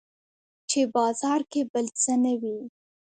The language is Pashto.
چې بازار کې بل څه نه وي